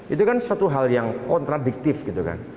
itu kan satu hal yang kontradiktif gitu kan